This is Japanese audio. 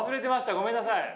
ごめんなさい。